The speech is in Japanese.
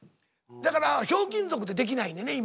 だから「ひょうきん族」ってできないねんね